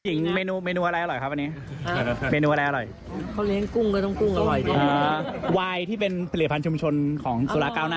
คุณเมธาวันนี้เลือกเมนูอาหารที่เป็นตะวันตกตะวันออกฟิวชั่นกันใช่ไหมครับ